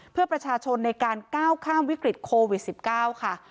เพื่อประชาชนในการก้าวข้ามวิกฤตโควิด๑๙ค่ะ